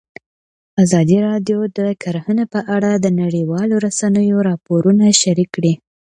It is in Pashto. ازادي راډیو د کرهنه په اړه د نړیوالو رسنیو راپورونه شریک کړي.